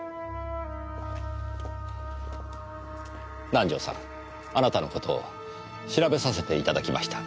南条さんあなたの事を調べさせていただきました。